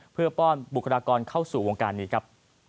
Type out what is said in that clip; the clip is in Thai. เพื่อป้อนบุคลากรเข้าสู่วงการนี้ครับ